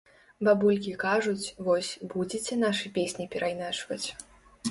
Бабулькі кажуць, вось, будзеце нашы песні перайначваць.